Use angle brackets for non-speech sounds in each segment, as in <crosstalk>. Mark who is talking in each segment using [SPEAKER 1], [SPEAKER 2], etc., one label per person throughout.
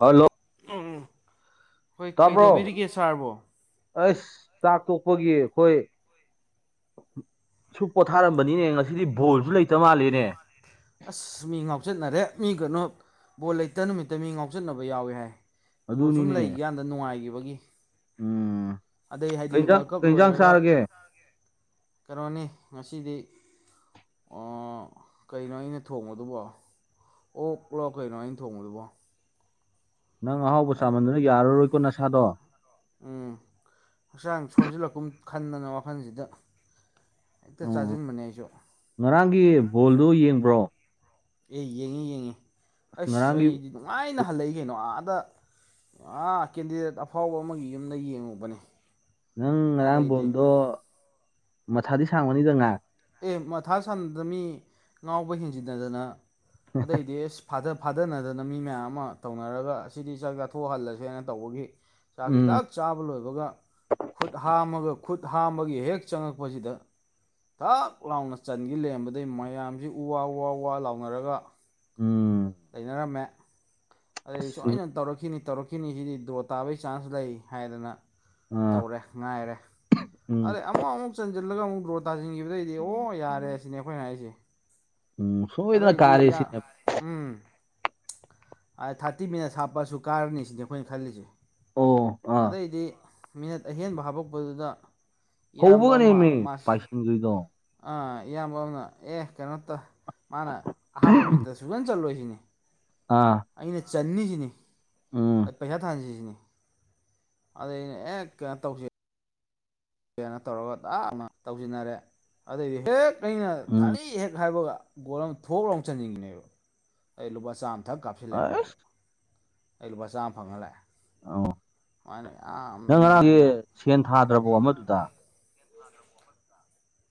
[SPEAKER 1] Hello
[SPEAKER 2] ꯎꯝ ꯍꯣꯏ ꯀꯩꯗꯧꯕꯤꯔꯤꯒꯦ ꯁꯥꯔ ꯕꯣ
[SPEAKER 1] ꯑꯁ ꯆꯥꯛ ꯇꯣꯛꯄꯒꯤ ꯑꯩꯈꯣꯏ ꯁꯨꯝ ꯄꯣꯊꯥꯔꯝꯕꯅꯤꯅꯦ ꯉꯁꯤꯗꯤ ꯕꯣꯜꯁꯨ ꯂꯩꯇ ꯃꯥꯜꯂꯦꯅꯦ
[SPEAKER 2] ꯑꯁ ꯃꯤ ꯉꯥꯎꯆꯠꯅꯔꯦ ꯃꯤ ꯀꯩꯅꯣ ꯕꯣꯜ ꯂꯩꯇ ꯅꯨꯃꯤꯠꯇ ꯃꯤ ꯉꯥꯎꯆꯠꯅꯕ ꯌꯥꯎꯏ ꯍꯥꯏ ꯕꯣꯜ ꯁꯨꯝ
[SPEAKER 1] ꯑꯗꯨꯅꯤꯅꯦ
[SPEAKER 2] ꯂꯩꯈꯤꯀꯥꯟꯗ ꯅꯨꯡꯉꯥꯏꯈꯤꯕꯒꯤ
[SPEAKER 1] ꯎꯝ
[SPEAKER 2] ꯑꯗꯩ
[SPEAKER 1] ꯀꯩ
[SPEAKER 2] ꯍꯥꯏꯗꯤ
[SPEAKER 1] ꯏꯟꯖꯥꯡ
[SPEAKER 2] ꯋꯥꯔꯜ ꯀꯞ
[SPEAKER 1] ꯀꯩ ꯏꯟꯖꯥꯡ
[SPEAKER 2] ꯂꯣꯏꯔꯒ
[SPEAKER 1] ꯆꯥꯔꯒꯦ
[SPEAKER 2] ꯀꯩꯅꯣꯅꯤ ꯉꯁꯤꯗꯤ ꯑꯣ ꯀꯩꯅꯣ ꯑꯩꯅ ꯊꯣꯡꯕꯗꯨꯕꯣ ꯑꯣꯛ ꯂꯣ ꯀꯩꯅꯣ ꯑꯩꯅ ꯊꯣꯡꯕꯗꯨꯕꯣ
[SPEAKER 1] ꯅꯪ ꯑꯍꯥꯎꯕ ꯆꯥꯃꯟꯗꯅ ꯌꯥꯔꯔꯣꯏꯀꯣ ꯅꯁꯥꯗꯣ
[SPEAKER 2] ꯎꯝ ꯍꯛꯆꯥꯡ ꯁꯣꯟꯖꯜꯂꯛꯀꯨꯝ ꯈꯟꯗꯅ ꯋꯥꯈꯜꯁꯤꯗ ꯍꯦꯛꯇ
[SPEAKER 1] ꯎꯝ
[SPEAKER 2] ꯆꯥꯁꯤꯟꯕꯅꯦ ꯑꯩꯁꯨ
[SPEAKER 1] ꯉꯔꯥꯡꯒꯤ ꯕꯣꯜꯗꯨ ꯌꯦꯡꯕ꯭ꯔꯣ
[SPEAKER 2] ꯑꯦ ꯌꯦꯡꯉꯤ ꯌꯦꯡꯉꯤ ꯑꯁ ꯑꯩꯗꯤ ꯅꯨꯡꯉꯥꯏꯅ ꯍꯜꯂꯛꯏ ꯀꯩꯅꯣ ꯑꯥꯗ ꯑ ꯀꯦꯟꯗꯤꯗꯦꯠ ꯑꯐꯥꯎꯕ ꯑꯃꯒꯤ ꯌꯨꯝꯗ ꯌꯦꯡꯉꯨꯕꯅꯦ
[SPEAKER 1] ꯅꯪ ꯉꯔꯥꯡ
[SPEAKER 2] ꯑꯗꯩꯗꯤ
[SPEAKER 1] ꯕꯣꯜꯗꯣ ꯃꯊꯥꯗꯤ ꯁꯥꯔꯝꯒꯅꯤꯗ ꯉꯥ
[SPEAKER 2] ꯑꯦ ꯃꯊꯥ ꯁꯟꯅꯗꯅꯥ ꯃꯤ ꯉꯥꯎꯕ ꯍꯦꯟꯖꯤꯟꯅꯗꯅ ꯑꯗꯩꯗꯤ ꯑꯁ ꯐ ꯐꯥꯗꯅꯗꯅ ꯃꯤ ꯃꯌꯥꯝ ꯑꯃ ꯇꯧꯅꯔꯒ ꯁꯤꯗꯤ ꯆꯥꯛ ꯆꯥꯊꯣꯛꯑ ꯍꯜꯂꯁꯦꯅ ꯇꯧꯕꯒꯤ ꯆꯥꯛꯁꯤ
[SPEAKER 1] ꯎꯝ
[SPEAKER 2] ꯗꯛ ꯆꯥꯕ ꯆꯥꯕ ꯂꯣꯏꯕꯒ ꯈꯨꯠ ꯍꯥꯝꯃꯒꯥ ꯈꯨꯠ ꯍꯥꯝꯕꯒꯤ ꯍꯦꯛ ꯆꯪꯉꯛꯄꯁꯤꯗ ꯊꯛ ꯂꯥꯎꯅ ꯆꯟꯈꯤ ꯂꯔꯝꯕꯗꯩꯩ ꯃꯌꯥꯝꯁꯤ ꯎ ꯋꯥ ꯋꯥ ꯋꯥ ꯂꯥꯎꯅꯔꯒ
[SPEAKER 1] ꯎꯝ
[SPEAKER 2] ꯂꯩꯅꯔꯝꯃꯦ ꯑꯩ
[SPEAKER 1] ꯑꯁ
[SPEAKER 2] ꯁꯣꯏꯗꯅ ꯇꯧꯔꯛꯈꯤꯅꯤ ꯇꯧꯔꯛꯈꯤꯅꯤ ꯁꯤꯅꯤ ꯗꯣ ꯇꯥꯕꯒꯤ ꯆꯥꯟꯁ ꯂꯩ ꯍꯥꯏꯗꯅ
[SPEAKER 1] ꯑꯥ
[SPEAKER 2] ꯇꯧꯔꯦ ꯉꯥꯏꯔꯦ
[SPEAKER 1] ꯎꯝ
[SPEAKER 2] ꯑꯗꯩ ꯑꯃꯨꯛ ꯑꯃꯨꯛ ꯆꯟꯁꯤꯜꯂꯒꯥ ꯑꯃꯨꯛ ꯗ꯭ꯔꯣ ꯇꯥꯁꯤꯟꯈꯤꯕꯗꯩꯗꯤ ꯑꯣ ꯌꯥꯔꯦ ꯁꯤꯅꯦ ꯑꯩꯈꯣꯏꯅ ꯍꯥꯏꯁꯦ
[SPEAKER 1] ꯎꯝ ꯁꯣꯏꯗꯅ ꯀꯥꯔꯦ
[SPEAKER 2] ꯑꯗꯩꯗꯤ ꯏꯌꯥ
[SPEAKER 1] ꯁꯤꯅꯦ
[SPEAKER 2] ꯎꯝ ꯑꯥ ꯊꯥꯔꯇꯤ ꯃꯤꯅꯠ ꯍꯥꯞꯄꯁꯨ ꯀꯥꯔꯅꯤ ꯁꯤꯅꯦ ꯑꯩꯈꯣꯏꯅ ꯈꯜꯂꯤꯁꯦ
[SPEAKER 1] ꯑꯣ ꯑꯥ
[SPEAKER 2] ꯑꯗꯩꯩꯗꯤ ꯃꯤꯅꯠ ꯑꯍꯦꯟꯕ ꯍꯥꯄꯛꯄꯗꯨꯗ ꯏꯌꯥꯝꯕ ꯑꯃ
[SPEAKER 1] ꯍꯧꯕꯒꯅꯦꯃꯤ
[SPEAKER 2] ꯃꯥꯁ
[SPEAKER 1] ꯄꯥꯏꯁꯤꯟꯒ꯭ꯔꯤꯗꯣ
[SPEAKER 2] ꯑꯥ ꯏꯌꯥꯝꯕ ꯑꯃꯅ ꯑꯦ ꯀꯩꯅꯣꯇꯧ ꯃꯥꯅ ꯑꯍꯞꯄ ꯃꯤꯅꯠꯇ ꯁꯨꯡ ꯆꯟ ꯆꯠꯂꯣꯏꯁꯤꯅꯤ
[SPEAKER 1] ꯑꯥ
[SPEAKER 2] ꯑꯩꯅ ꯆꯟꯅꯤ ꯁꯤꯅꯤ
[SPEAKER 1] ꯎꯝ
[SPEAKER 2] ꯑꯥ ꯄꯩꯁꯥ ꯊꯥꯅꯁꯤ ꯁꯤꯅꯤ ꯑꯗꯩꯩ ꯑꯩꯅ ꯑꯦ ꯀꯩꯅꯣ ꯇꯧ ꯀꯩꯅꯣ ꯇꯧꯔꯒ ꯇꯞꯅ ꯇꯧꯁꯤꯟꯅꯔꯦ ꯑꯗꯨꯗꯩ ꯍꯦꯛ ꯑꯩꯅ
[SPEAKER 1] ꯎꯝ
[SPEAKER 2] ꯊꯥꯔꯤ ꯍꯦꯛ ꯍꯥꯏꯕꯒ ꯒꯣꯜ ꯑꯃ ꯊꯣꯛ ꯂꯧꯅ ꯆꯟꯁꯤꯟꯕꯅꯦꯕ ꯑꯩ ꯂꯨꯄꯥ ꯆꯥꯝꯃ ꯊꯛ ꯀꯥꯞꯁꯤꯜꯂꯛꯑꯦ
[SPEAKER 1] ꯑꯩꯁ
[SPEAKER 2] ꯑꯩꯉꯣꯟꯗ ꯑꯩ ꯂꯨꯄꯥ ꯆꯝꯃ ꯐꯪꯉꯥ ꯂꯛꯌꯦ
[SPEAKER 1] ꯑꯣ ꯅꯪ ꯉꯔꯥꯡꯒꯤ
[SPEAKER 2] ꯅꯨꯡꯉꯥꯏꯅ
[SPEAKER 1] ꯁꯦꯟ ꯊꯥꯗ꯭ꯔꯕꯣ
[SPEAKER 2] ꯍꯥꯏꯗꯤ
[SPEAKER 1] ꯑꯃꯗꯨꯗ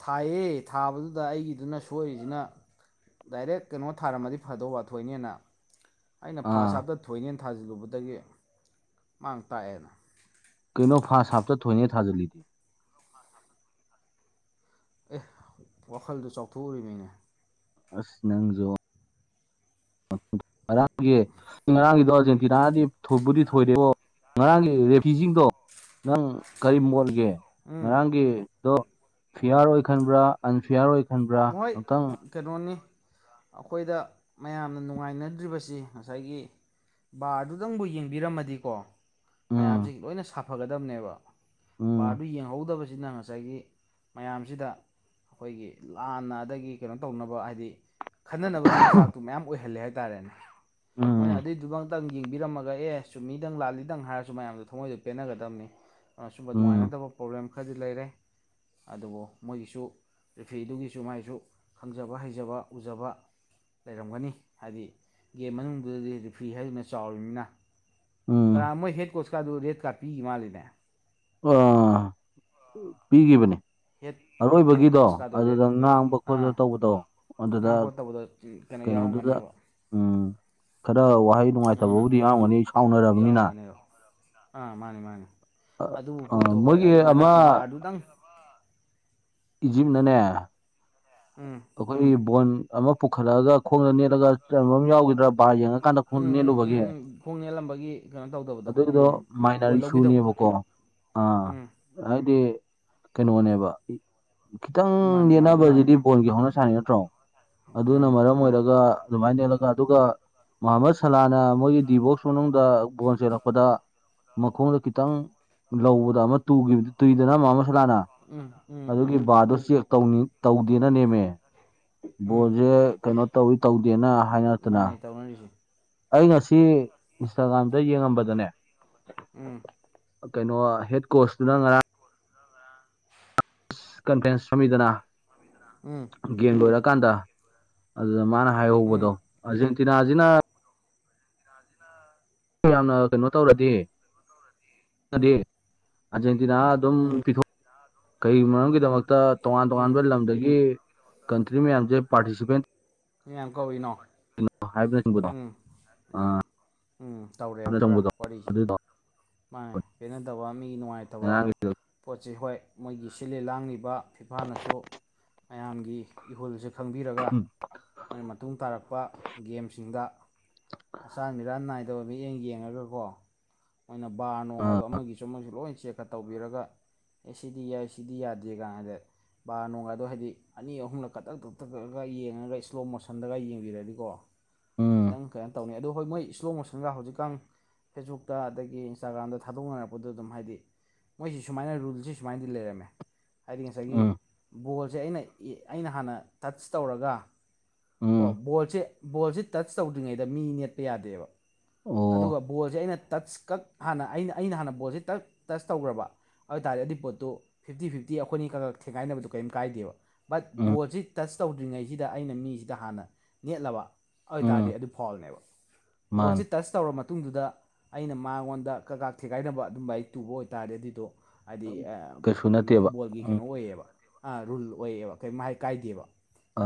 [SPEAKER 2] ꯊꯥꯏꯌꯦ ꯊꯥꯕꯗꯨꯗ ꯑꯩꯒꯤꯗꯨꯅ ꯁꯣꯏꯔꯤꯁꯤꯅ ꯗꯥꯏꯔꯦꯛ ꯀꯩꯅꯣ ꯊꯥꯔꯝꯃꯗꯤ ꯐꯗꯧꯕꯥ ꯊꯣꯏꯅꯦꯅ ꯑꯩꯅ ꯐꯥꯔꯁ
[SPEAKER 1] ꯑꯥ
[SPEAKER 2] ꯍꯥꯞꯇ ꯊꯣꯏꯅꯤꯅ ꯊꯥꯖꯤꯜꯂꯨꯕꯗꯒꯤ ꯃꯥꯡ ꯇꯥꯛꯑꯦꯅ
[SPEAKER 1] ꯀꯩꯅꯣ ꯐꯥꯔꯁ ꯍꯥꯐꯇ ꯊꯣꯏꯅꯤ ꯊꯥꯖꯤꯜꯂꯤꯗꯤ
[SPEAKER 2] ꯃꯥ <unintelligible> ꯑꯦ ꯋꯥꯈꯜꯗꯨ ꯆꯥꯎꯊꯣꯛꯎꯅꯦ
[SPEAKER 1] ꯑꯁ ꯅꯪꯁꯨ <unintelligible> ꯉꯥꯔꯥꯡꯒꯤ ꯉꯔꯥꯡꯒꯤꯗꯣ ꯑꯔꯖꯦꯟꯇꯤꯅꯥꯅꯗꯤ ꯊꯣꯏꯕꯨꯗꯤ ꯊꯣꯏꯗꯥꯀꯣ ꯉꯔꯥꯡꯒꯤ ꯔꯦꯐ꯭ꯔꯤꯁꯤꯡꯗꯣ ꯅꯪ ꯀꯔꯤ ꯃꯣꯠꯒꯦ
[SPEAKER 2] ꯎꯝ
[SPEAKER 1] ꯉꯔꯥꯡꯒꯤꯗꯣ ꯐꯤꯌꯥꯔ ꯑꯣꯏ ꯈꯟꯕ꯭ꯔꯥ ꯑꯟꯐꯤꯌꯥꯔ ꯑꯣꯏ ꯈꯟꯕ꯭ꯔꯥ
[SPEAKER 2] ꯃꯣꯏ
[SPEAKER 1] ꯑꯝꯇꯪ
[SPEAKER 2] ꯀꯩꯅꯣꯅꯤ ꯑꯩꯈꯣꯏꯗ ꯃꯌꯥꯝꯅ ꯅꯨꯡꯉꯥꯏꯅꯗ꯭ꯔꯤꯕꯁꯤ ꯉꯁꯥꯏꯒꯤ ꯕꯥꯔ ꯑꯗꯨꯗꯪꯕꯨ ꯌꯦꯡꯕꯤꯔꯝꯃꯗꯤꯀꯣ
[SPEAKER 1] ꯎꯝ
[SPEAKER 2] ꯃꯌꯥꯝꯁꯤ ꯂꯣꯏꯅ ꯁꯥꯐꯒꯗꯕꯅꯦꯕ
[SPEAKER 1] ꯎꯝ
[SPEAKER 2] ꯕꯥꯔꯗꯨ ꯌꯦꯡꯍꯧꯗꯕꯁꯤꯅ ꯉꯁꯥꯏ ꯉꯁꯥꯏꯒꯤ ꯃꯌꯥꯝꯁꯤꯗ ꯑꯩꯈꯣꯏꯒꯤ ꯂꯥꯟꯅ ꯑꯗꯒꯤ ꯀꯩꯅꯣ ꯇꯧꯅꯕ ꯍꯥꯏꯗꯤ ꯈꯠꯅꯅꯕꯒꯤ ꯃꯆꯥꯛꯇꯨ ꯃꯌꯥꯝ ꯑꯣꯏꯍꯜꯂꯦ ꯍꯥꯏꯇꯥꯥꯔꯦꯅꯦ
[SPEAKER 1] ꯎꯝ
[SPEAKER 2] ꯃꯣꯏꯅ ꯑꯗꯨꯏꯗꯨ ꯈꯤꯇꯪ ꯌꯦꯡꯕꯤꯔꯝꯃꯒ ꯑꯦ ꯁꯨꯝꯃꯤꯗꯪ ꯂꯥꯜꯂꯤꯗꯪ ꯍꯥꯏꯔꯁꯨ ꯃꯌꯥꯝꯗꯣ ꯊꯃꯣꯏꯗꯣ ꯄꯦꯟꯅꯒꯗꯕꯅꯤ ꯑꯥ ꯁꯨꯝꯕ
[SPEAKER 1] ꯎꯝ
[SPEAKER 2] ꯅꯨꯡꯉꯥꯏꯅꯗꯕ ꯄ꯭ꯔꯣꯕ꯭ꯂꯦꯝ ꯈꯔꯗꯤ ꯂꯩꯔꯦ ꯑꯗꯨꯕꯨ ꯃꯣꯏꯒꯤꯁꯨ ꯔꯤꯐꯤꯔꯗꯨꯒꯤꯁꯨ ꯃꯥꯏꯁꯨ ꯈꯪꯖꯕ ꯍꯩꯖꯕ ꯎꯖꯕ ꯂꯩꯔꯝꯒꯅꯤ ꯍꯥꯏꯗꯤ ꯒꯦꯝ ꯃꯅꯨꯡꯗꯨꯗꯗꯤ ꯔꯤꯐ꯭ꯔꯤ ꯍꯥꯏꯗꯨꯅ ꯆꯥꯎꯔꯤꯕꯅꯤꯅ
[SPEAKER 1] ꯎꯝ
[SPEAKER 2] ꯀꯅꯥ ꯃꯣꯏ ꯍꯦꯠ ꯀꯣꯁꯀꯥꯗꯨ ꯔꯦꯠꯀꯥꯠ ꯄꯤꯈꯤꯕ ꯃꯥꯜꯂꯤꯅꯦ
[SPEAKER 1] ꯑ ꯄꯤꯈꯤꯕꯅꯤ
[SPEAKER 2] ꯍꯦꯠ ꯍꯦꯠ
[SPEAKER 1] ꯑꯔꯣꯏꯕꯒꯤꯗꯣ
[SPEAKER 2] ꯀꯣꯁꯀꯥꯗꯣ ꯔꯦꯠ
[SPEAKER 1] ꯑꯗꯨꯗ ꯃꯥꯡꯕ
[SPEAKER 2] ꯑꯥ
[SPEAKER 1] ꯈꯣꯠꯄ ꯇꯧꯕꯗꯣ ꯑꯗꯨꯗ
[SPEAKER 2] ꯉꯥꯡ ꯈꯣꯠꯇꯕꯗꯣ ꯀꯩꯅꯣ
[SPEAKER 1] ꯀꯩꯅꯣꯗꯨꯗ
[SPEAKER 2] ꯌꯥꯎꯔꯝꯒꯅꯦꯕ
[SPEAKER 1] ꯎꯝ ꯈꯔ ꯋꯥꯍꯩ
[SPEAKER 2] ꯑꯗꯨꯅ
[SPEAKER 1] ꯅꯨꯡꯉꯥꯏꯇꯕꯕꯨꯗꯤ ꯌꯥꯎꯔꯝꯒꯅꯤ ꯁꯥꯎꯅꯔꯅꯤꯅ
[SPEAKER 2] ꯌꯥꯎꯔꯝꯒꯅꯦꯕ ꯑꯥ ꯃꯥꯅꯤ ꯃꯥꯅꯤ
[SPEAKER 1] ꯑ
[SPEAKER 2] ꯑꯗꯨꯕꯨ
[SPEAKER 1] ꯑ
[SPEAKER 2] ꯄꯣꯠꯇꯣ ꯍꯣꯏ
[SPEAKER 1] ꯃꯣꯏꯒꯤ
[SPEAKER 2] ꯑꯗꯨꯃꯥꯏꯅ
[SPEAKER 1] ꯑꯃ
[SPEAKER 2] ꯕꯥꯔꯗꯨꯗꯪ
[SPEAKER 1] ꯏꯖꯤꯞꯅꯅꯦ
[SPEAKER 2] ꯎꯝ
[SPEAKER 1] ꯑꯩꯈꯣꯏꯒꯤ ꯕꯣꯟ ꯑꯃ ꯄꯨꯈꯠꯂꯛꯑꯒ ꯈꯣꯡꯗ ꯅꯦꯠꯂꯒ ꯆꯣꯡꯕ ꯑꯃ ꯌꯥꯎꯈꯤꯗ꯭ꯔꯣ ꯕꯥꯔ ꯌꯦꯡꯉ ꯀꯥꯟꯗ ꯈꯨꯟ
[SPEAKER 2] ꯎꯝ ꯎꯝ ꯎꯝ
[SPEAKER 1] ꯅꯦꯠꯂꯨꯕꯒꯤ
[SPEAKER 2] ꯎꯝ ꯈꯣꯡ ꯅꯦꯜꯂꯝꯕꯒꯤ ꯀꯩꯅꯣ ꯇꯧꯗꯕꯗꯣ ꯎꯝ
[SPEAKER 1] ꯑꯗꯨꯒꯤꯗꯣ ꯃꯥꯏꯅꯔ
[SPEAKER 2] ꯒꯣꯜ ꯂꯧꯈꯤꯗꯕꯗꯣ
[SPEAKER 1] ꯏꯁꯨꯅꯦꯕꯀꯣ ꯑꯥ
[SPEAKER 2] ꯎꯝ
[SPEAKER 1] ꯍꯥꯏꯗꯤ ꯀꯩꯅꯣꯅꯦꯕ
[SPEAKER 2] ꯃꯥꯅꯦ
[SPEAKER 1] ꯈꯤꯇꯪ
[SPEAKER 2] ꯃꯥꯅꯦ
[SPEAKER 1] ꯌꯦꯠꯅꯕꯒꯤꯗꯤ ꯐꯣꯟꯒꯤ ꯍꯧꯅ ꯁꯥ ꯅꯠꯇ꯭ꯔꯣ ꯑꯗꯨꯅ
[SPEAKER 2] ꯃꯥꯅꯦ
[SPEAKER 1] ꯃꯔꯝ ꯑꯣꯏꯔꯒ ꯑꯗꯨꯃꯥꯏꯅꯥ ꯅꯦꯠꯂꯛ ꯑꯗꯨꯒ ꯃꯣꯍꯃꯠ ꯁꯂꯥꯅ ꯃꯣꯏꯒꯤ ꯗꯤꯕꯣꯛꯁ ꯃꯅꯨꯡꯗ ꯕꯣꯜ ꯆꯦꯜꯂꯛꯄꯗ ꯃꯈꯣꯡꯗ ꯈꯤꯇꯪ ꯂꯧꯕꯗ ꯑꯃ ꯇꯨ ꯇꯨꯏꯗꯅ ꯑꯃ ꯑꯃ ꯁꯂꯅ
[SPEAKER 2] ꯎꯝ ꯎꯝ ꯎꯝ
[SPEAKER 1] ꯑꯗꯨꯒꯤ ꯕꯥꯔꯗꯨ ꯆꯦꯛ ꯇꯧꯗꯦꯅ ꯅꯦꯝꯃꯦ
[SPEAKER 2] ꯎꯝ
[SPEAKER 1] ꯕꯣꯜꯁꯦ ꯀꯩꯅꯣ ꯇꯧꯋꯤ ꯇꯧꯗꯦꯅ
[SPEAKER 2] ꯃꯥꯅꯦ
[SPEAKER 1] ꯍꯥꯏꯅꯔꯛꯇꯅ
[SPEAKER 2] ꯇꯧꯅꯔꯤꯁꯦ
[SPEAKER 1] ꯑꯩ ꯉꯁꯤ ꯏꯟꯁꯇꯥꯒ꯭ꯔꯥꯝꯗ ꯌꯦꯡꯉꯝꯕꯗꯅꯦ
[SPEAKER 2] ꯎꯝ
[SPEAKER 1] ꯀꯩꯅꯣ ꯍꯦꯠ ꯀꯣꯁꯅ ꯉꯔꯥꯡ ꯀꯟꯐꯔ꯭ꯦꯟꯁ ꯁꯨꯃꯤꯗꯅꯥ
[SPEAKER 2] ꯎꯝ
[SPEAKER 1] ꯒꯦꯝ ꯂꯣꯏꯔꯀꯥꯟꯗ ꯑꯗꯨꯗ ꯃꯥꯅ
[SPEAKER 2] ꯎꯝ
[SPEAKER 1] ꯍꯥꯏꯍꯧꯕꯗꯣ ꯑꯔꯖꯦꯟꯇꯤꯅꯥꯖꯤꯅ
[SPEAKER 2] <unintelligible>
[SPEAKER 1] ꯌꯥꯝꯅ ꯀꯩꯅꯣ ꯇꯧꯔꯗꯤ ꯍꯥꯏꯗꯤ
[SPEAKER 2] ꯎꯝ
[SPEAKER 1] ꯑꯥꯔꯖꯦꯟꯇꯤꯅꯥ ꯑꯗꯨꯝ
[SPEAKER 2] ꯎꯝ
[SPEAKER 1] ꯄꯤꯊꯣꯛ ꯀꯔꯤ ꯃꯔꯝꯒꯤꯗꯃꯛꯇ ꯇꯣꯉꯥꯟ
[SPEAKER 2] ꯎꯝ
[SPEAKER 1] ꯇꯣꯉꯥꯟꯕ ꯂꯝꯗꯒꯤ ꯀꯟꯇ꯭ꯔꯤ ꯃꯌꯥꯝꯁꯦ ꯄꯥꯔꯇꯤꯁꯤꯄꯦꯟ
[SPEAKER 2] ꯃꯤꯌꯥꯝ ꯀꯧꯔꯤꯅꯣ
[SPEAKER 1] ꯀꯩꯅꯣ ꯍꯥꯏꯕ꯭ꯔꯤꯠ
[SPEAKER 2] ꯎꯝ ꯎꯝ ꯎꯝ ꯇꯧꯔꯦꯕ ꯈꯔ
[SPEAKER 1] ꯆꯪꯕꯗꯣ
[SPEAKER 2] ꯋꯥꯔꯤꯁꯦ
[SPEAKER 1] ꯑꯗꯨꯗꯣ
[SPEAKER 2] ꯃꯥꯅꯦ ꯄꯦꯟꯅꯗꯕ ꯃꯤꯒꯤ ꯅꯨꯡꯉꯥꯏꯇꯕ
[SPEAKER 1] ꯉꯔꯥꯡꯒꯤ
[SPEAKER 2] ꯄꯣꯠꯁꯤ ꯍꯣꯏ ꯃꯣꯏꯒꯤ ꯁꯤꯜꯂꯤ ꯂꯥꯡꯂꯤꯕ ꯐꯤꯐꯥꯅꯁꯨ ꯃꯌꯥꯝꯒꯤ ꯏꯍꯨꯜꯁꯦ ꯈꯪꯕꯤꯔꯒ ꯃꯣꯏꯅ ꯃꯇꯨꯡ ꯇꯥꯔꯛꯄ ꯒꯦꯝꯁꯤꯡꯗ ꯑꯆꯥꯟ ꯃꯤꯔꯥꯟ ꯅꯥꯏꯗꯕ ꯃꯤꯠꯌꯦꯡ ꯌꯦꯡꯉꯒꯀꯣ ꯃꯣꯏꯅ ꯕꯥꯔ
[SPEAKER 1] ꯑꯥ
[SPEAKER 2] ꯅꯣꯡꯗꯣ ꯑꯃꯒꯤꯁꯨ ꯑꯃꯁꯨ ꯂꯣꯏ ꯆꯦꯛꯀꯞ ꯇꯧꯕꯤꯔꯒ ꯑꯦ ꯁꯤꯗꯤ ꯌꯥꯏ ꯁꯤꯗꯤ ꯌꯥꯗꯦ ꯀꯥꯟꯗ ꯕꯥꯔ ꯅꯣꯡꯗꯣ ꯍꯥꯏꯗꯤ ꯑꯅꯤ ꯑꯍꯨꯝꯂꯛ ꯀꯛꯊꯛ ꯀꯛꯊꯛ ꯀꯛꯂꯒ ꯌꯦꯡꯉꯒ ꯏꯁꯂꯣ ꯃꯣꯁꯟꯗꯒ ꯌꯦꯡꯕꯤꯔꯅꯤꯀꯣ
[SPEAKER 1] ꯎꯝ
[SPEAKER 2] ꯈꯤꯇꯪ ꯀꯩꯅꯣ ꯇꯧꯅꯤ ꯑꯗꯣ ꯍꯣꯏ ꯃꯣꯏ ꯏꯁꯂꯣ ꯃꯣꯁꯟꯒ ꯍꯧꯖꯤꯛꯀꯥꯟ ꯐꯦꯁꯕꯨꯛꯇ ꯑꯗꯒꯤ ꯑꯩ ꯏꯟꯁꯇꯥꯒ꯭ꯔꯥꯝꯗ ꯊꯥꯗꯣꯛꯅꯔꯛꯄꯗ ꯑꯗꯨꯝ ꯍꯥꯏꯗꯤ ꯃꯣꯏꯁꯤ ꯁꯨꯃꯥꯏꯅ ꯔꯨꯜꯁꯤ ꯁꯨꯃꯥꯏꯅꯗꯤ ꯂꯩꯔꯝꯃꯦ ꯍꯥꯏꯗꯤ ꯉꯁꯥꯏꯒꯤ
[SPEAKER 1] ꯎꯝ
[SPEAKER 2] ꯕꯣꯜꯁꯦ ꯑꯩꯅ ꯑꯩꯅ ꯍꯥꯟꯅ ꯇꯁ ꯇꯧꯔꯒ ꯀꯣ
[SPEAKER 1] ꯎꯝ
[SPEAKER 2] ꯕꯣꯜꯁꯦ ꯕꯣꯜꯁꯦ ꯇꯆ ꯇꯧꯗ꯭ꯔꯤꯉꯩꯗ ꯃꯤ ꯅꯦꯠꯄ ꯌꯥꯗꯦꯕ
[SPEAKER 1] ꯑꯣ
[SPEAKER 2] ꯑꯗꯨꯒ ꯕꯣꯜꯁꯦ ꯑꯩꯅ ꯇꯁ ꯀꯛ ꯍꯥꯟꯅ ꯑꯩꯅ ꯑꯩꯅ ꯍꯥꯟꯅ ꯕꯣꯜꯁꯦ ꯇꯛ ꯇꯁ ꯇꯧꯈ꯭ꯔꯕ ꯑꯗꯨ ꯇꯥꯔꯗꯤ ꯄꯣꯠꯇꯨ ꯐꯤꯞꯇꯤ ꯐꯤꯞꯇꯤ ꯑꯩꯈꯣꯏꯅꯤ ꯈꯥꯒꯛ ꯊꯦꯡꯒꯥꯏꯅꯕꯗꯨ ꯀꯔꯤꯝ ꯀꯥꯏꯗꯦꯕ ꯕꯠ
[SPEAKER 1] ꯎꯝ
[SPEAKER 2] ꯕꯣꯜꯁꯤ ꯇꯁ ꯇꯧꯗ꯭ꯔꯤꯉꯩꯁꯤꯗ ꯑꯩꯅ ꯃꯤꯁꯤꯗ ꯍꯥꯟꯅ ꯅꯦꯠꯂꯕ ꯑꯗꯨꯏ
[SPEAKER 1] ꯎꯝ
[SPEAKER 2] ꯇꯔꯗꯤ ꯑꯗꯨ ꯐꯥꯎꯜꯅꯦꯕ ꯕꯣꯜꯁꯦ
[SPEAKER 1] ꯃꯥꯅꯦ
[SPEAKER 2] ꯇꯁ ꯇꯧꯔꯕ ꯃꯇꯨꯡꯗꯨꯗ ꯑꯩꯅ ꯃꯉꯣꯟꯗ ꯀꯩꯀꯥ ꯊꯦꯒꯥꯏꯅꯕ ꯑꯗꯨꯝ ꯂꯥꯏꯔꯤꯛ ꯇꯨꯕ ꯑꯣꯏꯇꯥꯔꯦ ꯑꯗꯨꯏꯗꯣ ꯍꯥꯏꯗꯤ
[SPEAKER 1] ꯀꯩꯁꯨ ꯅꯠꯇꯦꯕ
[SPEAKER 2] ꯕꯣꯜꯒꯤ
[SPEAKER 1] ꯎꯝ
[SPEAKER 2] ꯀꯩꯅꯣ ꯑꯣꯏꯌꯦꯕ ꯔꯨꯜ ꯑꯣꯏꯌꯦꯕ ꯀꯩ ꯃꯍꯥꯏ ꯀꯥꯏꯗꯦꯕ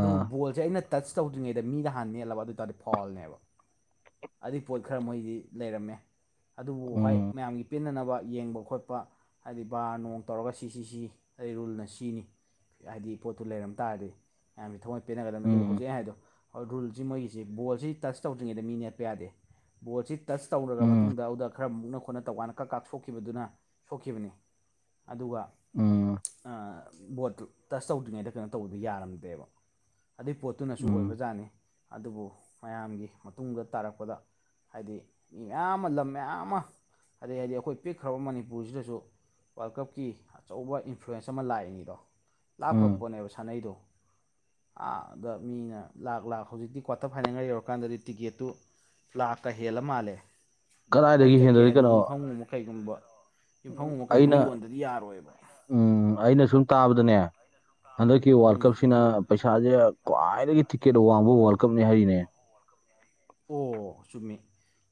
[SPEAKER 2] ꯑꯗꯨꯕꯨ ꯕꯣꯜꯁꯦ ꯑꯩꯅ ꯇꯆ ꯇꯧꯗ꯭ꯔꯤꯉꯩꯗ ꯃꯤꯗ ꯍꯥꯟꯅ ꯅꯦꯠꯂꯕ ꯑꯗꯨ ꯑꯣꯏ ꯇꯥꯔꯗꯤ ꯐꯥꯎꯜꯅꯦꯕ ꯑꯗꯨꯏ ꯄꯣꯠ ꯈꯔ ꯃꯣꯏꯗꯤ ꯂꯩꯔꯝꯃꯦ ꯑꯗꯨꯕꯨ ꯍꯣꯏ
[SPEAKER 1] ꯎꯝ
[SPEAKER 2] ꯃꯌꯥꯝꯒꯤ ꯄꯤꯟꯅꯅꯕ ꯌꯦꯡꯕ ꯈꯣꯠ ꯄ ꯍꯥꯏꯗꯤ ꯕꯥꯔ ꯅꯣꯡ ꯇꯧꯔꯒ ꯁꯤꯁꯤ ꯁꯤ ꯑꯩ ꯔꯨꯜꯅ ꯁꯤꯅꯤ ꯍꯥꯏꯗꯤ ꯄꯣꯠꯇꯨ ꯂꯩꯔꯝ ꯇꯥꯔꯗꯤ ꯃꯌꯥꯝꯁ ꯊꯒꯠ ꯄꯦꯟꯅꯒꯗꯕꯅꯤ ꯑꯗꯨꯕꯨ
[SPEAKER 1] ꯎꯝ
[SPEAKER 2] ꯍꯧꯖꯤꯛ ꯑꯩ ꯍꯥꯏꯕꯗꯣ ꯔꯨꯜꯁꯤ ꯃꯣꯏꯒꯤꯁꯤ ꯕꯣꯜꯁꯤ ꯇꯁ ꯇꯧꯗ꯭ꯔꯤꯉꯩꯗ ꯃꯤ ꯅꯦꯠꯄ ꯌꯥꯗꯦ ꯕꯣꯜꯁꯤ ꯇꯆ ꯇꯧꯔꯔꯕ
[SPEAKER 1] ꯎꯝ
[SPEAKER 2] ꯃꯇꯨꯡꯗ ꯑꯗꯨꯗ ꯈꯔ ꯃꯨꯛꯅ ꯈꯣꯠꯅ ꯇꯧꯀꯥꯟꯗ ꯀꯛ ꯀꯥ ꯁꯣꯛꯈꯤꯕꯗꯨꯅ ꯁꯣꯛꯈꯤꯕꯅꯤ ꯑꯗꯨꯒ
[SPEAKER 1] ꯎꯝ
[SPEAKER 2] ꯕꯣꯠꯇꯨ ꯇꯁ ꯇꯧꯗ꯭ꯔꯤꯉꯩꯗ ꯀꯩꯅꯣ ꯇꯧꯕꯤꯕ ꯌꯥꯔꯝꯗꯦꯕ ꯑꯗꯨꯏ ꯄꯣꯠꯇꯨꯅꯁꯨ
[SPEAKER 1] ꯎꯝ
[SPEAKER 2] ꯑꯣꯏꯕꯖꯥꯠꯅꯤ ꯑꯗꯨꯕꯨ ꯃꯌꯥꯝꯒꯤ ꯃꯇꯨꯡꯗ ꯇꯥꯔꯛꯄꯗ ꯍꯥꯏꯗꯤ ꯃꯤ ꯃꯌꯥꯝ ꯑꯃ ꯂꯝ ꯃꯌꯥꯝ ꯑꯃ ꯍꯥꯏꯗꯤ ꯍꯥꯏꯗꯤ ꯑꯩꯈꯣꯏ ꯄꯤꯛꯈ꯭ꯔꯕ ꯃꯅꯤꯄꯨꯔꯁꯤꯗꯁꯨ ꯋꯥꯔꯜ ꯀꯞꯀꯤ ꯑꯆꯧꯕ ꯏꯟꯐ꯭ꯂꯨꯌꯦꯟꯁ ꯑꯃ ꯂꯥꯛꯏꯅꯤꯗꯣ ꯂꯥꯛꯈ꯭ꯔꯕ
[SPEAKER 1] ꯎꯝ
[SPEAKER 2] ꯄꯣꯠꯅꯦꯕ ꯁꯥꯟꯅꯩꯗꯣ ꯑꯥ ꯗ ꯃꯤꯅ ꯂꯥꯛ ꯂꯥꯛ ꯍꯧꯖꯤꯛꯇꯤ ꯀ꯭ꯋꯥꯇꯔ ꯐꯥꯏꯅꯦꯜꯒ ꯌꯧꯔꯀꯥꯟꯗꯗꯤ ꯇꯤꯛꯀꯦꯠꯇꯨ ꯂꯥꯛꯀ ꯍꯦꯜꯂ ꯃꯥꯜꯂꯦ ꯑꯩꯈꯣꯏꯅ
[SPEAKER 1] ꯀꯗꯥꯏꯗꯒꯤ
[SPEAKER 2] ꯆꯠꯀꯦ
[SPEAKER 1] ꯍꯦꯟꯗꯣꯔꯤ
[SPEAKER 2] ꯍꯥꯏꯗꯤ
[SPEAKER 1] ꯀꯩꯅꯣ
[SPEAKER 2] ꯌꯨꯝꯐꯝꯒꯨꯝꯕ ꯀꯩꯒꯨꯝꯕ ꯌꯨꯝꯐꯝꯒꯨꯝꯕ
[SPEAKER 1] ꯑꯩꯅ
[SPEAKER 2] ꯀꯩꯒꯨꯝꯕ ꯌꯣꯟꯗꯗꯤ ꯌꯥꯔꯣꯏꯕ
[SPEAKER 1] ꯎꯝ ꯑꯩꯅ ꯁꯨꯝ ꯇꯥꯕꯗꯅꯦ ꯍꯟꯗꯛꯀꯤ ꯋꯥꯔꯜ
[SPEAKER 2] ꯎꯝ
[SPEAKER 1] ꯀꯞꯁꯤꯅ ꯄꯩꯁꯥꯁꯦ ꯈ꯭ꯋꯥꯏꯗꯒꯤ ꯇꯤꯛꯀꯦꯠ ꯋꯥꯡꯕ ꯋꯥꯔꯜ ꯀꯞꯅꯦ ꯍꯥꯏꯔꯤꯅꯦ
[SPEAKER 2] ꯑꯣ ꯆꯨꯝꯃꯤ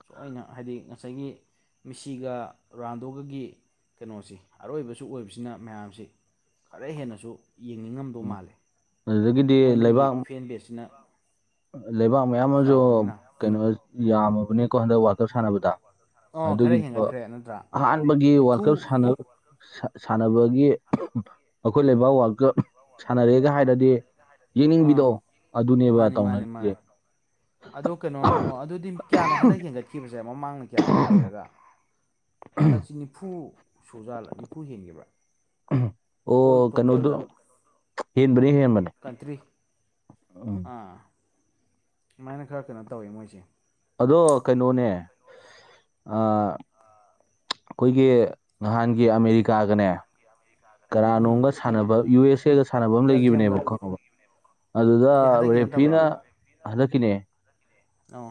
[SPEAKER 2] ꯁ ꯑꯅ ꯍꯥꯏꯗꯤ ꯉꯁꯥꯏꯒꯤ ꯃꯤꯁꯤꯒ ꯔꯥꯟꯗꯣꯒꯒꯤ ꯀꯩꯅꯣꯁꯤ ꯑꯔꯣꯏꯕꯁꯨ ꯑꯣꯏꯕꯁꯤꯅ ꯃꯌꯥꯝꯁꯤ ꯈꯔ ꯍꯦꯟꯅꯁꯨ ꯌꯦꯡꯅꯤꯡꯉꯝꯗꯧ
[SPEAKER 1] ꯎꯝ
[SPEAKER 2] ꯃꯥꯜꯂꯦ
[SPEAKER 1] ꯑꯗꯨꯗꯒꯤꯗꯤ
[SPEAKER 2] ꯃꯣꯏ ꯑꯅꯤꯒꯤ
[SPEAKER 1] ꯂꯩꯕꯥꯛ
[SPEAKER 2] ꯐꯦꯟ ꯕꯦꯒꯁꯤꯅ
[SPEAKER 1] ꯂꯩꯕꯥꯛ ꯃꯌꯥꯝ ꯑꯃꯁꯨ ꯀꯩꯅꯣ ꯌꯥꯝꯃꯕꯅꯤꯀꯣ ꯍꯟꯗꯛ ꯋꯥꯜꯀꯞ ꯁꯥꯟꯅꯕꯗ꯫
[SPEAKER 2] ꯑꯣ ꯈꯔ
[SPEAKER 1] ꯑꯗꯨꯒꯤꯗꯣ
[SPEAKER 2] ꯍꯦꯟꯒꯠꯈ꯭ꯔꯦ ꯅꯠꯇ꯭ꯔꯥ
[SPEAKER 1] ꯑꯍꯥꯟꯕꯒꯤ ꯋꯥꯔꯜ
[SPEAKER 2] ꯅꯤꯐꯨ
[SPEAKER 1] ꯀꯞ ꯁꯥꯟꯅ ꯁꯥꯟꯅꯕꯒꯤ ꯑꯩꯈꯣꯏ ꯂꯩꯕꯥꯛ ꯋꯥꯔꯜꯗ ꯀꯞ꯫ ꯁꯥꯟꯅꯔꯦꯒ ꯍꯥꯏꯔꯗꯤ
[SPEAKER 2] ꯑꯥ
[SPEAKER 1] ꯌꯦꯡꯅꯤꯡꯕꯤꯗꯣ ꯑꯗꯨꯅꯦꯕ꯫
[SPEAKER 2] ꯃꯥꯅꯤ ꯃꯥꯅꯤ
[SPEAKER 1] ꯇꯧꯅꯔꯤꯁꯦ
[SPEAKER 2] ꯃꯥꯅꯤ ꯑꯗꯣ ꯀꯩꯅꯣ ꯑꯣ ꯑꯗꯨꯗꯤ ꯀꯌꯥꯅꯣ ꯍꯟꯗꯛ ꯍꯦꯟꯒꯠꯈꯤꯕꯁꯦ ꯃꯃꯥꯡ꯫ ꯀꯌꯥꯅꯣ ꯑꯣꯏꯔꯒ ꯍꯟꯗꯛꯁꯤ ꯅꯤꯐꯨ ꯁꯨꯖꯥꯂ ꯅꯤꯐꯨ ꯍꯦꯟꯈꯤꯕ꯭ꯔꯥ꯫ ꯑꯣꯜ
[SPEAKER 1] ꯑꯣ ꯀꯩꯅꯣꯗꯣ
[SPEAKER 2] ꯇꯣꯇꯦꯜꯗ
[SPEAKER 1] ꯍꯦꯟꯕꯅꯤ ꯍꯦꯟꯕꯅꯦ
[SPEAKER 2] ꯀꯟꯇ꯭ꯔꯤ
[SPEAKER 1] ꯑ
[SPEAKER 2] ꯑꯥ ꯁꯨꯃꯥꯏꯅ ꯈꯔ ꯀꯩꯅꯣ ꯇꯧꯋ ꯃꯣꯏꯁꯦ
[SPEAKER 1] ꯑꯗꯣ ꯀꯩꯅꯣꯅꯦ ꯑꯩꯈꯣꯏꯒꯤ ꯅꯍꯥꯟꯒꯤ ꯑꯃꯦꯔꯤꯀꯥꯒꯅꯦ ꯀꯔꯥꯅꯣꯝꯒ
[SPEAKER 2] ꯎꯝ
[SPEAKER 1] ꯁꯥꯟꯅꯕ ꯌꯨ ꯑꯦꯁ ꯑꯦꯒ ꯁꯥꯟꯅꯕ ꯑꯃ
[SPEAKER 2] ꯕꯦꯜꯖꯤꯌꯝꯒ
[SPEAKER 1] ꯂꯩꯒꯤꯈꯤꯕꯅꯦꯕ ꯈꯪꯉꯕ꯫ ꯑꯗꯨꯗ
[SPEAKER 2] ꯑꯗꯩ ꯍꯟꯗꯛꯀꯤ
[SPEAKER 1] ꯔꯦꯐꯤꯅ
[SPEAKER 2] ꯅꯠꯇꯕ꯭ꯔꯣ
[SPEAKER 1] ꯍꯟꯗꯛꯀꯤꯅꯦ꯫
[SPEAKER 2] ꯑꯣ꯫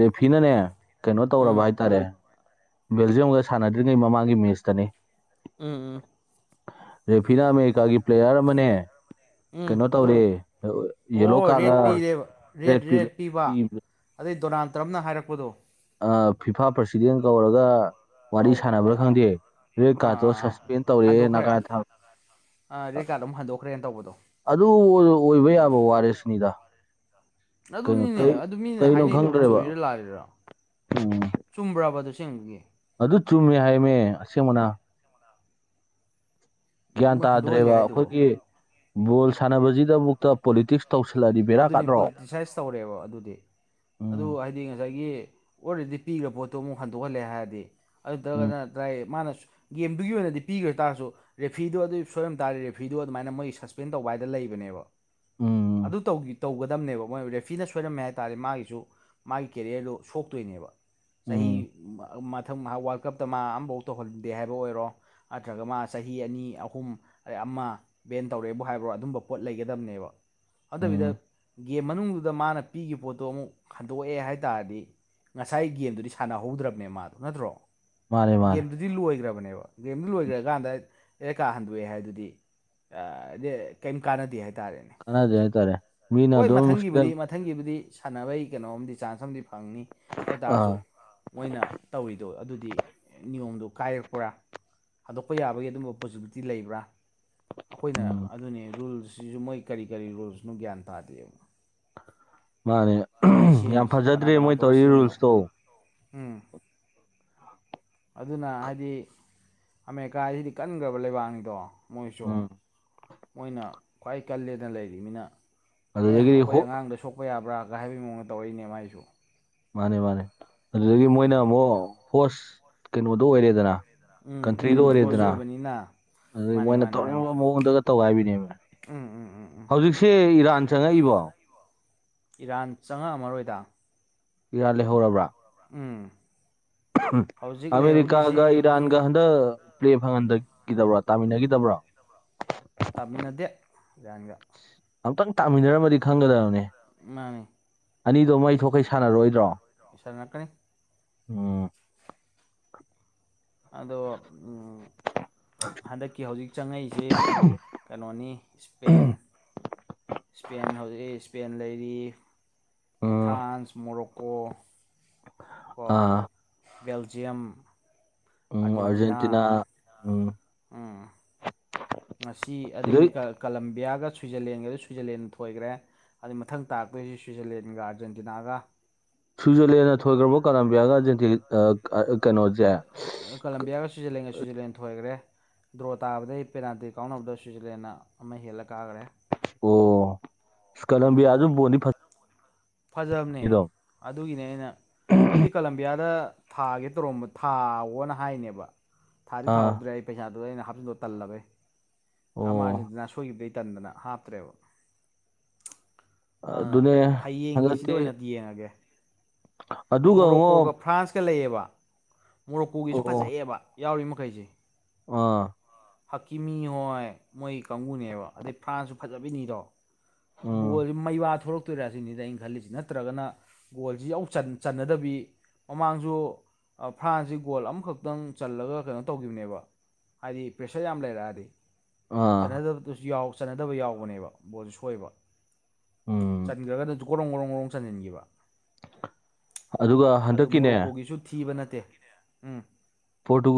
[SPEAKER 1] ꯔꯦꯐꯤꯅꯅꯦ ꯀꯩꯅꯣ ꯇꯧꯔꯕ
[SPEAKER 2] ꯎꯝ
[SPEAKER 1] ꯍꯥꯏꯇꯥꯔꯦ꯫ ꯕꯦꯜꯖꯤꯌꯝꯒ ꯁꯥꯟꯅꯗ꯭ꯔꯤꯉꯩ ꯃꯃꯥꯡꯒꯤ ꯃꯦꯁꯇꯅꯤ꯫
[SPEAKER 2] ꯎꯝ ꯎꯝ꯫
[SPEAKER 1] ꯔꯦꯐꯤꯅꯥ ꯑꯃꯦꯔꯤꯀꯥꯒꯤ ꯄ꯭ꯂꯦꯌꯥꯔ ꯑꯃꯅꯦ꯫
[SPEAKER 2] ꯎꯝ
[SPEAKER 1] ꯀꯩꯅꯣ ꯇꯧꯔꯦ ꯌꯦꯂꯣ
[SPEAKER 2] ꯑꯣ ꯔꯦꯠ
[SPEAKER 1] ꯀꯥꯔꯗꯂ
[SPEAKER 2] ꯄꯤꯔꯦꯕ
[SPEAKER 1] ꯔꯦꯗ
[SPEAKER 2] ꯔꯦꯠ
[SPEAKER 1] ꯄꯤ꯫
[SPEAKER 2] ꯔꯦꯠ ꯄꯤꯕ ꯑꯗꯩ ꯗꯣꯅꯥꯜ ꯇ꯭ꯔꯝꯅ ꯍꯥꯏꯔꯛꯄꯗꯣ꯫
[SPEAKER 1] ꯑ ꯐꯤꯐꯥ ꯄ꯭ꯔꯁꯤꯗꯦꯟ ꯀꯧꯔꯒ꯫ ꯋꯥꯔꯤ
[SPEAKER 2] ꯑꯧ
[SPEAKER 1] ꯁꯥꯟꯅꯕ꯭ꯔꯥ
[SPEAKER 2] ꯑꯥ
[SPEAKER 1] ꯈꯪꯗꯦ ꯔꯦꯠ
[SPEAKER 2] ꯑꯥ
[SPEAKER 1] ꯀꯥꯔꯠꯇꯣ
[SPEAKER 2] ꯑꯥ ꯑꯥ
[SPEAKER 1] ꯁꯁꯄꯦꯟ ꯇꯧꯔꯦ ꯅꯒꯥ ꯊꯝ
[SPEAKER 2] ꯑ ꯔꯦꯠ ꯀꯥꯔꯗ ꯑꯃꯨꯛ ꯍꯟꯗꯣꯛꯈ꯭ꯔꯦꯅ ꯇꯧꯕꯗꯣ꯫
[SPEAKER 1] ꯑꯗꯨ ꯑꯣꯏꯕ ꯌꯥꯕ ꯋꯥꯔ ꯁꯤꯅꯤꯗ꯫
[SPEAKER 2] ꯑꯗꯨꯅꯤꯅꯦ ꯑꯗꯨ ꯃꯤꯅ
[SPEAKER 1] ꯀꯩꯅꯣ
[SPEAKER 2] ꯍꯥꯏꯅꯩꯗꯨꯕꯨ
[SPEAKER 1] ꯈꯪꯗ꯭ꯔꯦꯕ
[SPEAKER 2] ꯆꯨꯝꯃꯤꯔ ꯂꯥꯂꯤꯔ꯫
[SPEAKER 1] ꯎꯝ
[SPEAKER 2] ꯆꯨꯝꯕ꯭ꯔꯕ ꯑꯗꯨꯁꯦꯡꯕꯒꯤ꯫
[SPEAKER 1] ꯑꯗꯨ ꯆꯨꯝꯃꯦ ꯍꯥꯏꯌꯦꯃꯦ ꯑꯁꯦꯡꯕꯅ꯫ ꯒ꯭ꯌꯥꯟ
[SPEAKER 2] ꯃꯣꯏ ꯍꯟꯗꯣꯛꯍꯜꯂꯦ
[SPEAKER 1] ꯇꯥꯗ꯭ꯔꯦꯕ
[SPEAKER 2] ꯍꯥꯏꯗꯨꯕꯨ
[SPEAKER 1] ꯑꯩꯈꯣꯏꯒꯤ ꯕꯣꯜ ꯁꯥꯟꯅꯕꯁꯤꯗꯕꯨꯛ꯫ ꯇ ꯄꯣꯂꯤꯇꯤꯛꯁ ꯇꯧꯁꯤꯜꯂꯗꯤ ꯕꯦꯔꯥ
[SPEAKER 2] ꯑꯗꯨꯅꯤ
[SPEAKER 1] ꯀꯥꯗ꯭ꯔꯣ꯫
[SPEAKER 2] ꯄꯣꯂꯤꯇꯤꯁꯥꯏꯁ ꯇꯧꯔꯦꯕ ꯑꯗꯨꯗꯤ ꯑꯗꯨ
[SPEAKER 1] ꯎꯝ
[SPEAKER 2] ꯍꯥꯏꯗꯤ ꯉꯁꯥꯏꯒꯤ꯫ ꯑꯣꯜꯔꯦꯗꯤ ꯄꯤꯈ꯭ꯔ ꯄꯣꯠꯇꯣ ꯑꯃꯨꯛ ꯍꯟꯗꯣꯛꯍꯜꯂꯦ ꯍꯥꯏꯔꯗꯤ
[SPEAKER 1] ꯎꯝ
[SPEAKER 2] ꯑꯗꯨꯇ꯭ꯔꯒꯅ ꯗ꯭ꯔꯥꯏ ꯃꯥꯅ꯫ ꯒꯦꯝꯗꯨꯒꯤ ꯑꯣꯏꯅꯗꯤ ꯄꯤꯈ꯭ꯔ ꯇꯥꯔꯁꯨ꯫ ꯔꯦꯐꯤꯗꯣ ꯑꯗꯨ ꯁꯣꯏꯔꯝ ꯇꯥꯔꯦ ꯔꯦꯐ꯭ꯤꯗꯣ ꯑꯗꯨꯃꯥꯏꯅ ꯃꯣꯏ ꯁꯁꯄꯦꯟ ꯇꯧꯕ ꯍꯥꯏꯗ ꯂꯩꯕꯅꯦꯕ꯫
[SPEAKER 1] ꯎꯝ꯫
[SPEAKER 2] ꯑꯗꯨ ꯇꯧꯒꯤ ꯇꯧꯒꯗꯝꯅꯦꯕ ꯃꯣꯏ ꯔꯦꯐꯤꯅ ꯁꯣꯏꯔꯝꯃꯦ ꯍꯥꯏ ꯇꯥꯔꯦ ꯃꯥꯒꯤꯁꯨ꯫ ꯃꯥꯒꯤ ꯀꯦꯔꯤꯌꯔꯗꯨ ꯁꯣꯛꯇꯣꯏꯅꯦꯕ ꯆꯍꯤ꯫
[SPEAKER 1] ꯎꯝ
[SPEAKER 2] ꯃꯊꯪ ꯋꯥꯔꯜ ꯀꯞꯇ ꯃꯥ ꯑꯃꯐꯥꯎ ꯇꯧꯍꯟꯗꯦ ꯍꯥꯏꯕ ꯑꯣꯏꯔꯣ꯫ ꯅꯠꯇ꯭ꯔꯒ ꯃꯥ ꯆꯍꯤ ꯑꯅꯤ ꯑꯍꯨꯝ ꯑꯗꯩ ꯑꯃ꯫ ꯕꯦꯟ ꯇꯧꯔꯦꯕꯨ ꯍꯥꯏꯕ꯭ꯔꯣ ꯑꯗꯨꯝꯕ ꯄꯣꯠ ꯂꯩꯒꯗꯕꯅꯦꯕ ꯑꯗꯨꯅꯗꯕꯤꯗ꯫
[SPEAKER 1] ꯎꯝ
[SPEAKER 2] ꯒꯦꯝ ꯃꯅꯨꯡꯗꯨꯗ ꯃꯥꯅ ꯄꯤꯈꯤꯕ ꯄꯣꯠꯇꯣ ꯑꯃꯨꯛ ꯍꯟꯗꯣꯛꯑꯦ ꯍꯥꯏꯇꯥꯥꯔꯗꯤ꯫ ꯉꯁꯥꯏ ꯒꯦꯝꯗꯨꯗꯤ ꯁꯥꯟꯅꯍꯧꯗ꯭ꯔꯕꯅꯦ ꯃꯥꯗꯣ ꯅꯠꯇ꯭ꯔꯣ
[SPEAKER 1] ꯃꯥꯅꯦ ꯃꯥꯅꯦ
[SPEAKER 2] ꯒꯦꯝꯗꯨ ꯗꯤ ꯂꯣꯏꯈ꯭ꯔꯕꯅꯦꯕ ꯒꯦꯝꯗꯨ
[SPEAKER 1] ꯎꯝ
[SPEAKER 2] ꯂꯣꯏꯈ꯭ꯔꯀꯥꯟꯗ ꯔꯦꯠ ꯀꯥꯔ ꯍꯟꯗꯣꯛꯑꯦ ꯍꯥꯏꯗꯨꯗꯤ꯫ ꯑ ꯀꯩꯝ ꯀꯥꯟꯅꯗꯦ ꯍꯥꯏꯇꯥꯔꯦꯅꯦ꯫
[SPEAKER 1] ꯀꯥꯅꯗꯦ ꯍꯥꯏꯇꯥꯔꯦ꯫ ꯃꯤꯅ
[SPEAKER 2] ꯍꯣꯏ
[SPEAKER 1] ꯑꯗꯨꯝ ꯁꯤꯗ
[SPEAKER 2] ꯃꯊꯪꯒꯤꯕꯨꯗꯤ ꯃꯊꯪꯒꯤꯕꯨꯗꯤ ꯁꯥꯟꯅꯕꯩ ꯀꯩꯅꯣꯝꯗꯤ ꯆꯥꯟꯁ ꯑꯝꯗꯤ ꯐꯪꯅꯤ꯫ ꯑꯗꯨ
[SPEAKER 1] ꯑ
[SPEAKER 2] ꯇꯔꯁꯨ ꯃꯣꯏꯅ ꯇꯧꯔꯤꯗꯣ ꯑꯗꯨꯗꯤ ꯅꯤꯌꯣꯝꯗꯨ ꯀꯥꯏꯔꯛꯄ꯭ꯔꯥ꯫ ꯊꯥꯗꯣꯛꯄ ꯌꯥꯕꯒꯤ ꯑꯗꯨꯝꯕ ꯄꯣꯁꯤꯕꯤꯂꯤꯇꯤ ꯂꯩꯕ꯭ꯔꯥ꯫ ꯑꯩꯈꯣꯏꯅ
[SPEAKER 1] ꯎꯝ
[SPEAKER 2] ꯑꯗꯨꯅꯤ ꯔꯨꯜꯁꯤꯁꯨ ꯃꯣꯏ ꯀꯔꯤ ꯀꯔꯤ ꯔꯨꯜꯁꯅꯣ ꯒ꯭ꯌꯥꯟ ꯇꯥꯗꯦꯕ꯫
[SPEAKER 1] ꯃꯥꯅꯦ
[SPEAKER 2] ꯃꯣꯏꯅ
[SPEAKER 1] ꯌꯥꯝ
[SPEAKER 2] ꯁꯦꯝꯃꯤꯁ ꯀꯅꯥ
[SPEAKER 1] ꯐꯖꯗ꯭ꯔꯦ ꯃꯣꯏ
[SPEAKER 2] ꯀꯅꯥ ꯄꯨꯔꯥ
[SPEAKER 1] ꯇꯧꯔꯤ
[SPEAKER 2] ꯁꯦꯝꯃꯤꯅꯣ
[SPEAKER 1] ꯔꯨꯜꯁꯇꯣ
[SPEAKER 2] ꯎꯝ ꯑꯗꯨꯅ ꯍꯥꯏꯗꯤ ꯑꯃꯦꯔꯤꯀꯥꯁꯤ ꯍꯥꯏꯗꯤ ꯀꯟꯈ꯭ꯔꯕ ꯂꯩꯕꯥꯛꯅꯤꯗꯣ ꯃꯣꯏꯁꯨ
[SPEAKER 1] ꯎꯝ
[SPEAKER 2] ꯃꯣꯏꯅ ꯈ꯭ꯋꯥꯏ ꯀꯜꯂꯦꯅ ꯂꯩꯔꯤꯕꯅꯤꯅ ꯑꯦ
[SPEAKER 1] ꯑꯗꯨꯗꯒꯤꯗꯤ
[SPEAKER 2] ꯑꯩꯈꯣꯏ
[SPEAKER 1] ꯍꯣ
[SPEAKER 2] ꯑꯉꯥꯡꯗ ꯁꯣꯛꯄ ꯌꯥꯕ꯭ꯔꯥꯒ ꯍꯥꯏꯕꯒꯤꯑꯣꯡꯗ ꯇꯧꯔꯛꯏꯅꯦ ꯃꯥꯏꯁꯨ
[SPEAKER 1] ꯃꯥꯅꯦ ꯃꯥꯅꯦ ꯑꯗꯨꯗꯒꯤ ꯃꯣꯏꯅ ꯑꯃꯨꯛ ꯍꯣꯁ ꯀꯩꯅꯣꯗꯣ ꯑꯣꯏꯔꯦꯗꯅ
[SPEAKER 2] ꯎꯝ ꯎꯝ ꯍꯣꯁꯁꯨ ꯑꯣꯏꯕꯅꯤꯅ
[SPEAKER 1] ꯑꯗꯨꯗꯒꯤ
[SPEAKER 2] ꯃꯥꯅꯤ
[SPEAKER 1] ꯃꯣꯏꯅ
[SPEAKER 2] ꯃꯥꯅꯤ ꯃꯥꯅꯤ
[SPEAKER 1] ꯇꯧꯔꯕ ꯃꯑꯣꯡꯗꯒ ꯇꯧꯒꯥꯏꯕꯅꯦꯕ
[SPEAKER 2] ꯎꯝ ꯎꯝ ꯎꯝ ꯎꯝ
[SPEAKER 1] ꯍꯧꯖꯤꯛ ꯁꯦ ꯏꯔꯥꯟ ꯆꯪꯉꯛꯏꯕꯣ꯫
[SPEAKER 2] ꯏꯔꯥꯟ ꯆꯪꯉꯛꯑꯃꯔꯣꯏꯗ꯫
[SPEAKER 1] ꯏꯤꯔꯥꯟ ꯂꯩꯍꯧꯔꯕ꯭ꯔꯥ꯫
[SPEAKER 2] ꯎꯝ꯫
[SPEAKER 1] ꯎꯝ
[SPEAKER 2] ꯍꯧꯖꯤꯛ
[SPEAKER 1] ꯑꯃꯦꯔꯤꯀꯥꯒ
[SPEAKER 2] ꯂꯩꯍꯧꯔꯤꯁꯤ
[SPEAKER 1] ꯏꯔꯥꯟꯒ ꯍꯟꯗꯛ ꯄ꯭ꯂꯦ ꯐꯪꯍꯟꯗꯈꯤꯗꯕ꯭ꯔꯣ ꯇꯥꯃꯤꯟꯅꯈꯤꯗꯕ꯭ꯔꯣ꯫
[SPEAKER 2] ꯇꯥꯃꯤꯟꯅꯗꯦ ꯏꯔꯥꯟꯒ꯫
[SPEAKER 1] ꯑꯝꯇꯪ ꯇꯥꯃꯤꯟꯅꯔꯝꯃꯗꯤ ꯈꯪꯒꯗꯕꯅꯦ꯫
[SPEAKER 2] ꯃꯥꯅꯤ
[SPEAKER 1] ꯑꯅꯤꯗꯣ ꯃꯩ ꯊꯣꯛꯀꯩ ꯁꯥꯟꯅꯔꯣꯏꯗ꯭ꯔꯣ
[SPEAKER 2] ꯏꯁꯥ ꯅꯛꯀꯅꯤ
[SPEAKER 1] ꯑꯣ
[SPEAKER 2] ꯑꯗꯣ ꯍꯟꯗꯛꯀꯤ ꯍꯧꯖꯤꯛ ꯆꯪꯉꯛꯏꯁꯤ ꯀꯩꯅꯣꯅꯤ ꯏꯁꯄꯦꯟ ꯏꯁꯄꯦꯟ ꯍꯧꯖꯤꯛ ꯏꯁꯄꯦꯟ ꯂꯩꯔꯤ
[SPEAKER 1] ꯎꯝ
[SPEAKER 2] ꯐ꯭ꯔꯥꯟꯁ ꯃꯣꯔꯣꯛꯀꯣ ꯀꯣ
[SPEAKER 1] ꯑꯥ
[SPEAKER 2] ꯕꯦꯜꯖꯤꯌꯝ ꯑꯥꯔꯖꯦꯟꯇꯤꯅꯥ ꯑꯥ
[SPEAKER 1] ꯎꯝ
[SPEAKER 2] ꯎꯝ ꯉꯁꯤ
[SPEAKER 1] ꯁꯤꯗꯩ
[SPEAKER 2] ꯑꯗꯒꯤ ꯀꯂꯝꯕꯤꯌꯥꯒ ꯁ꯭ꯋꯤꯖꯔꯂꯦꯟꯒꯁꯨ ꯁ꯭ꯋꯤꯖꯔꯂꯦꯟꯅ ꯊꯣꯏꯈ꯭ꯔꯦ ꯑꯗꯩ ꯃꯊꯪ ꯇꯥꯔꯛꯇꯣꯏꯁꯤ ꯁ꯭ꯋꯤꯖꯔꯂꯦꯟꯒ ꯑꯥꯔꯖꯦꯟꯇꯤꯅꯥꯒ
[SPEAKER 1] ꯁ꯭ꯋꯤꯖꯔꯂꯦꯟꯅ ꯊꯣꯏꯈ꯭ꯔꯕ ꯀꯂꯝꯕꯤꯌꯥꯒ ꯑꯔꯖꯦꯟꯇꯤ ꯑꯥ ꯀꯩꯅꯣꯖ‌ꯦ
[SPEAKER 2] ꯀꯂꯝꯕꯤꯌꯥꯒ ꯁ꯭ꯋꯤꯖꯔꯂꯦꯟꯒ ꯁ꯭ꯋꯤꯖꯔꯂꯦꯟ ꯊꯣꯏꯈ꯭ꯔꯦ ꯗ꯭ꯔꯣ ꯇꯥꯕꯗꯩ ꯄꯦꯅꯥꯜꯇꯤ ꯀꯥꯎꯅꯕꯗꯣ ꯁ꯭ꯋꯤꯖꯔꯂꯦꯟꯟꯅ ꯑꯃ ꯍꯦꯜꯂ ꯀꯥꯈ꯭ꯔꯦ
[SPEAKER 1] ꯑꯣ
[SPEAKER 2] ꯑꯥ
[SPEAKER 1] ꯀꯂꯝꯕꯤ ꯌꯥꯖꯁꯨ ꯕꯣꯜꯅꯤ ꯐꯖꯩ
[SPEAKER 2] ꯐꯖꯕꯅꯦ ꯑꯗꯨꯒꯤꯅꯦ ꯑꯩꯅ ꯑꯩꯗꯤ ꯀꯂꯝꯕꯤꯌꯥꯗ ꯊꯥꯒꯦ ꯇꯧꯔꯝꯕ ꯊꯥꯎꯋꯣꯅ ꯍꯥꯏꯅꯦꯕ ꯊꯥꯗꯤ
[SPEAKER 1] ꯑꯥ
[SPEAKER 2] ꯊꯥꯎꯍꯧꯗ꯭ꯔꯦ ꯑꯩ ꯄꯩꯁꯥꯗꯨꯗ ꯑꯩꯅ ꯍꯥꯞꯆꯤꯟꯂꯣ ꯇꯜꯂꯕ
[SPEAKER 1] ꯑꯣ
[SPEAKER 2] ꯑꯃꯥꯔꯖꯦꯟꯁꯤꯅꯥ ꯁꯣꯏꯈꯤꯕꯗꯩ ꯇꯟꯗꯅ ꯍꯥꯞꯇ꯭ꯔꯦꯕ ꯑ
[SPEAKER 1] ꯑꯗꯨꯅꯦ
[SPEAKER 2] ꯍꯌꯦꯡꯒꯤ ꯁꯤꯗ ꯑꯣꯏꯅ ꯌꯦꯡꯉꯒꯦ
[SPEAKER 1] UNINTELLIGIBLE
[SPEAKER 2] ꯃꯣꯔꯣꯛꯀꯣꯒ ꯐ꯭ꯔꯥꯟꯁꯀ ꯂꯩꯌꯦꯕ ꯃꯣꯔꯣꯛꯀꯣꯒꯤꯁꯨ
[SPEAKER 1] ꯑꯣ
[SPEAKER 2] ꯐꯖꯩꯑꯕ ꯌꯥꯎꯔꯤ ꯃꯈꯩꯁꯦ
[SPEAKER 1] ꯑꯥ
[SPEAKER 2] ꯍꯀꯤꯃꯤ ꯍꯣꯏ ꯃꯣꯏ ꯀꯥꯡꯕꯨꯅꯦꯕ ꯑꯗꯩ ꯐ꯭ꯔꯥꯟꯁꯤꯁꯨ ꯐꯖꯕꯤꯅꯤꯗꯣ
[SPEAKER 1] ꯎꯝ
[SPEAKER 2] ꯕꯣꯜ ꯃꯩ ꯋꯥ ꯊꯣꯛꯂꯛꯇꯣꯏꯔꯥ ꯁꯤꯅꯤꯗ ꯑꯩꯅ ꯈꯜꯂꯤꯁꯤ ꯅꯠꯇ꯭ꯔꯒꯅ ꯒꯣꯜꯁꯤ ꯌꯥꯎ ꯆꯟ ꯆꯟꯅꯗꯕꯤ ꯃꯃꯥꯡꯁꯨ ꯐ꯭ꯔꯥꯟꯁꯁꯤ ꯒꯣꯜ ꯑꯃꯈꯛꯇꯪ ꯆꯜꯂꯒ ꯀꯩꯅꯣ ꯇꯧꯈꯤꯕꯅꯦꯕ ꯍꯥꯏꯗꯤ ꯄ꯭ꯔꯦꯁꯔ ꯌꯥꯝ ꯂꯩꯔꯛꯑꯗꯤ
[SPEAKER 1] ꯑꯥ
[SPEAKER 2] ꯆꯟꯅꯗꯕꯗꯨꯁꯨ ꯌꯥꯎ ꯆꯟꯅꯗꯕ ꯌꯥꯎꯕꯅꯦꯕ ꯕꯣꯜꯁꯨ ꯁꯣꯏꯕ
[SPEAKER 1] ꯎꯝ
[SPEAKER 2] ꯆꯟꯈ꯭ꯔꯒꯅ ꯖꯨ ꯒ‌ꯣꯔꯣꯡ ꯒ‌ꯣꯔꯣꯡ ꯒ‌ꯣꯔꯣꯡ ꯆꯟꯁꯤꯟꯈꯤꯕ
[SPEAKER 1] ꯑꯗꯨꯒ
[SPEAKER 2] ꯑꯗꯨ
[SPEAKER 1] ꯍꯟꯗꯛꯀꯤꯅꯦ
[SPEAKER 2] ꯃꯣꯔꯣꯛꯀꯣꯒꯤꯁꯨ ꯊꯤꯕ ꯅꯠꯇꯦ ꯎꯝ
[SPEAKER 1] ꯄꯣꯔꯇꯨꯒꯜ